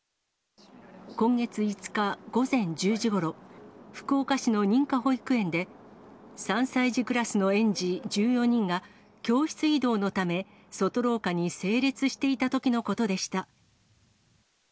今月５日午前１０時ごろ、福岡市の認可保育園で、３歳児クラスの園児１４人が、教室移動のため、外廊下に整列していたときのことでした。